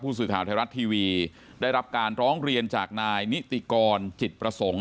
สื่อข่าวไทยรัฐทีวีได้รับการร้องเรียนจากนายนิติกรจิตประสงค์